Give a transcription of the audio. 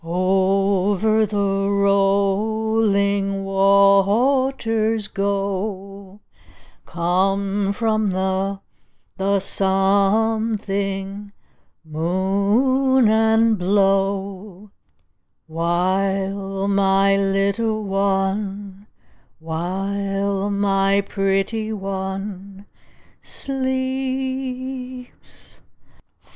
Over the rolling waters go Come from the the something moon and blow While my little one while my pretty one sleeps.